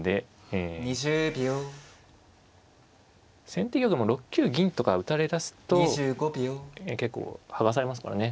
先手玉も６九銀とか打たれだすと結構剥がされますからね。